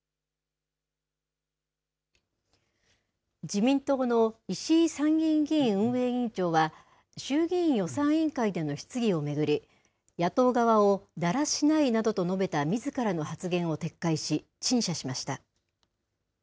自民党の石井参議院議院運営委員長は、衆議院予算委員会での質疑を巡り、野党側をだらしないなどと述べたみずからの発言を撤回し、陳謝しました。